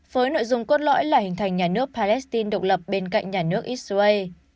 với nội dung cốt lõi là hình thành nhà nước palestine độc lập bên cạnh nhà nước israel